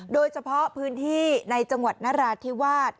โดยเฉพาะพื้นที่ในจังหวัดนราธิวาส